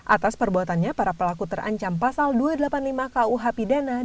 atas perbuatannya para pelaku terancam pasal dua ratus delapan puluh lima kuh pidana